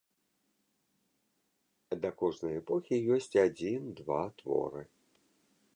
Да кожнай эпохі ёсць адзін-два творы.